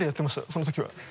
その時は。